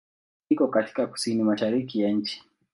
Iko katika kusini-mashariki ya nchi.